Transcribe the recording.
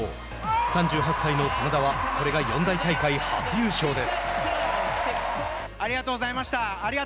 ３８歳の眞田はこれが四大大会初優勝です。